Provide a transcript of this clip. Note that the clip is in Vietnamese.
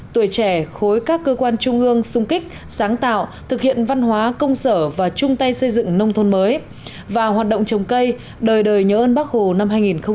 tuổi trẻ khối các cơ quan trung ương sung kích sáng tạo thực hiện văn hóa công sở và chung tay xây dựng nông thôn mới và hoạt động trồng cây đời đời nhớ ơn bác hồ năm hai nghìn hai mươi